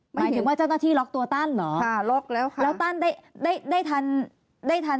หมายถึงว่าเจ้าหน้าที่ล็อกตัวตั้นเหรอค่ะล็อกแล้วค่ะแล้วตั้นได้ได้ทันได้ทัน